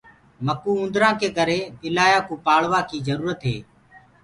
مڪوُ اُوندرآ ڪي ڪري ٻلآيآ ڪوُ پآݪوآ ڪي جرُورت هي۔